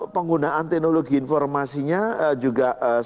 jadi penggunaan teknologi informasinya juga sangat banyak